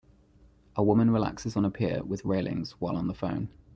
A woman relaxes on a pier with railings while on the phone.